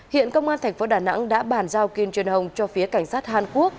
hiện công an thành phố đà nẵng đã bàn giao kim trinh hồng cho phía cảnh sát hàn quốc